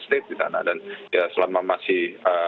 state di sana dan selama masih